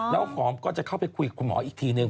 แล้วหอมก็จะเข้าไปคุยกับคุณหมออีกทีนึง